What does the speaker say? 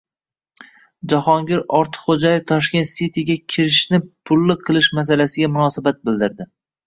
Jahongir Ortiqxo‘jayev “Tashkent Sity”ga kirishni pulli qilish masalasiga munosabat bildirdi